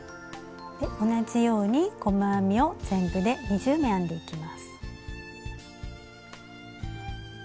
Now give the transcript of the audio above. で同じように細編みを全部で２０目編んでいきます。